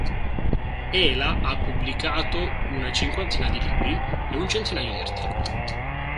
Ela ha pubblicato una cinquantina di libri e un centinaio di articoli.